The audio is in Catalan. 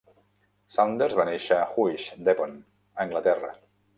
Saunders va néixer a Huish, Devon, Anglaterra.